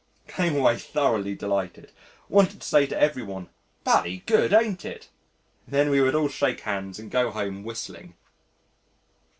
Came away thoroughly delighted. Wanted to say to every one "Bally good, ain't it?" and then we would all shake hands and go home whistling.